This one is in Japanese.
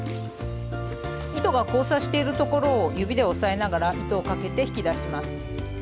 糸が交差しているところを指で押さえながら糸をかけて引き出します。